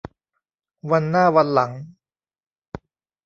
วันหน้าวันหลัง